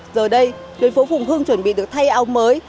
giờ đây tuyến phố phùng hương chuẩn bị được thay áo mới